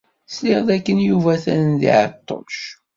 Sliɣ dakken Yuba atan deg Ɛeṭṭuc.